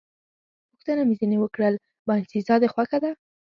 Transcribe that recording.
پوښتنه مې ځنې وکړل: باینسېزا دې خوښه ده؟